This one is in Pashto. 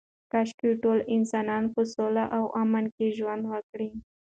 کاشکې ټول انسانان په سوله او امن کې ژوند وکړي.